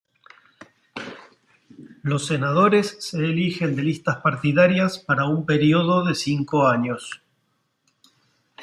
Los senadores se eligen de listas partidarias para un período de cinco años.